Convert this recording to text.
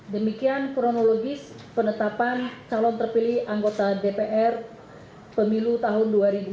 demikian kronologis penetapan calon terpilih anggota dpr pemilu tahun dua ribu dua puluh